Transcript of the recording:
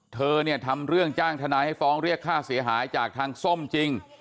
เธอเนี่ยทำเรื่องจ้างทนายให้ฟ้องเรียกค่าเสียหายจากทางส้มจริง